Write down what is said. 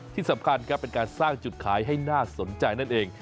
ที่สำคัญครับเป็นการสร้างจุดขายให้น่าสนใจนั่นเอง